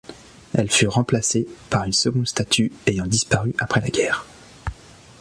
Elle fut remplacée par une seconde statue, ayant disparu après la guerre.